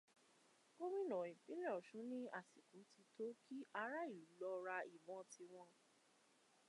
Gómìnà ìpínlẹ̀ Ọ̀ṣun ní àsìkò ti tó kí ará ìlú lọ ra ìbọn tiwọn